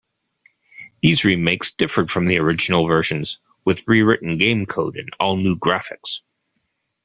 These remakes differed from the original versions, with rewritten game code and all-new graphics.